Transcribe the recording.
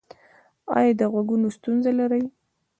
ایا د غوږونو ستونزه لرئ؟